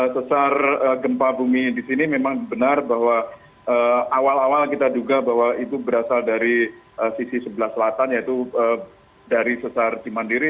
sesar gempa bumi di sini memang benar bahwa awal awal kita duga bahwa itu berasal dari sisi sebelah selatan yaitu dari sesar cimandiri